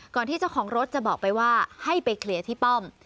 ที่เจ้าของรถจะบอกไปว่าให้ไปเคลียร์ที่ป้อม